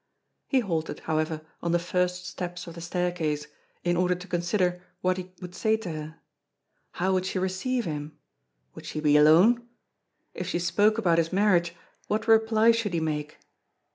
He halted, however, on the first steps of the staircase in order to consider what he would say to her. How would she receive him? Would she be alone? If she spoke about his marriage, what reply should he make?